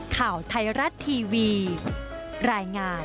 ข่าวไทยรัฐทีวีรายงาน